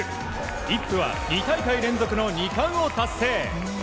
イップは２大会連続の２冠を達成。